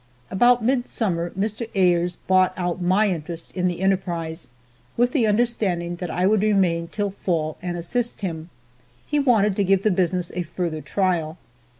About midsummer Mr. Ayres bought out my interest in the enterprise, with the understanding that I would remain till fall and assist him. He wanted to give the business a further trial.